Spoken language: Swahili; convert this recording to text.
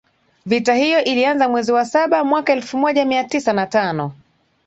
Vita hiyo ilianza mwezi wa saba mwaka elfu moja mia tisa na tano